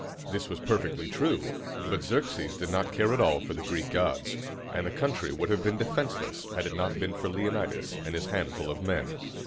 This was perfectly true; but Xerxes did not care at all for the Greek gods, and the country would have been defenseless had it not been for Leonidas and his handful of men.